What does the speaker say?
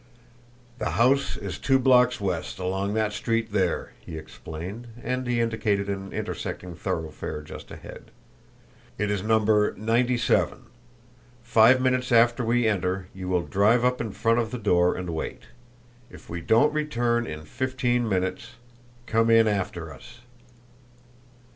"The house is two blocks west, along that street there," he explained, and he indicated an intersecting thoroughfare just ahead. "It is number ninety seven. Five minutes after we enter you will drive up in front of the door and wait. If we don't return in fifteen minutes come in after us!"